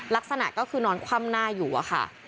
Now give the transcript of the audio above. ลักษณะก็คือนอนคว่ำหน้าอยู่อะค่ะ